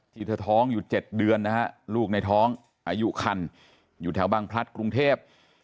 เธอท้องอยู่๗เดือนนะฮะลูกในท้องอายุคันอยู่แถวบางพลัดกรุงเทพ